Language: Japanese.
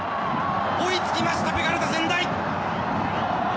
追いつきましたベガルタ仙台！